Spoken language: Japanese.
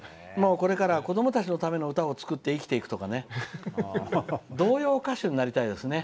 これからは子供たちのための歌を作って生きていくとか童謡歌手になりたいですね。